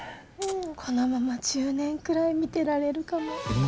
このまま１０年くらい見てられるかも。